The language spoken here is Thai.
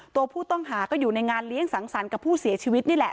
ตัวผู้ต้องหาก็อยู่ในงานเลี้ยงสังสรรค์กับผู้เสียชีวิตนี่แหละ